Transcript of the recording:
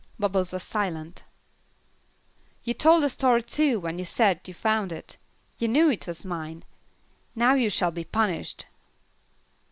Bubbles was silent. "You told a story too, when you said you found it; you knew it was mine. Now you shall be punished."